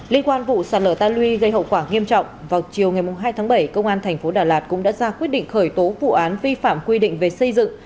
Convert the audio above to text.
liên quan vụ sạt lở ta luy gây hậu quả nghiêm trọng vào chiều ngày hai tháng bảy công an thành phố đà lạt cũng đã ra quyết định khởi tố vụ án vi phạm quy định về xây dựng